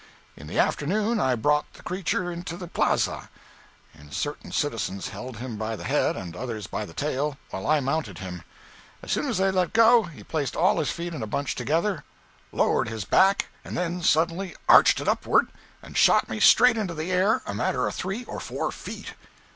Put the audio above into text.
In the afternoon I brought the creature into the plaza, and certain citizens held him by the head, and others by the tail, while I mounted him. As soon as they let go, he placed all his feet in a bunch together, lowered his back, and then suddenly arched it upward, and shot me straight into the air a matter of three or four feet!